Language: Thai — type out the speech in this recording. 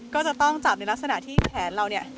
ก็จะต้องจับในลักษณะที่แขนเราเนี่ย